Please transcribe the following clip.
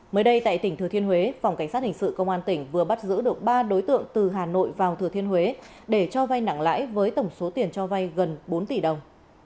mới đây tại tỉnh thừa thiên huế phòng cảnh sát hình sự công an tỉnh vừa bắt giữ được ba đối tượng từ hà nội vào thừa thiên huế để cho vay nặng lãi với tổng số tiền cho vay gần bốn tỷ đồng